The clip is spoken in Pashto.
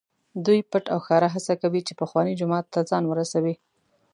دوی پټ او ښکاره هڅه کوي چې پخواني جومات ته ځان ورسوي.